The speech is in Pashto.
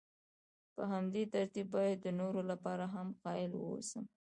په همدې ترتیب باید د نورو لپاره هم قایل واوسم.